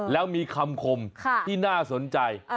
แล้วมีคำคมที่น่าสนใจ